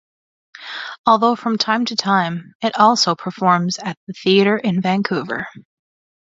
Although from time to time it also performs at the Theatre in Vancouver.